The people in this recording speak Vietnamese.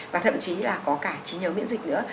và thậm chí là có cả trí nhớ miễn dịch nữa